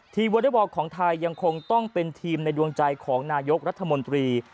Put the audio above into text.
วอเล็กบอลของไทยยังคงต้องเป็นทีมในดวงใจของนายกรัฐมนตรี